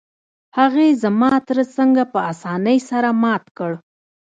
هغې زما تره څنګه په اسانۍ سره مات کړ؟